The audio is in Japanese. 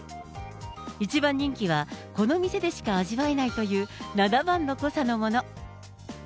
一番人気はこの店でしか味わえないという７番の濃さのもの。